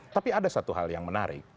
tapi ada satu hal yang menarik